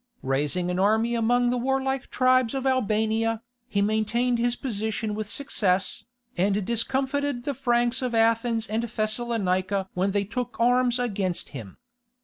Raising an army among the warlike tribes of Albania, he maintained his position with success, and discomfited the Franks of Athens and Thessalonica when they took arms against him.